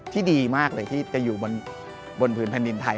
ที่ดีมากเลยที่จะอยู่บนผืนแผ่นดินไทย